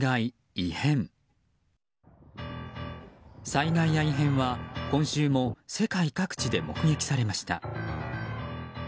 災害や異変は今週も世界各地で目撃されました。